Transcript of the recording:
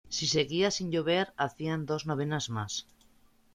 Si seguía sin llover hacían dos novenas más.